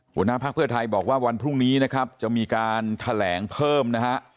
หัวหน้าภักดิ์เพื่อไทยบอกว่าวันพรุ่งนี้นะครับจะมีการแถลงเพิ่มนะฮะ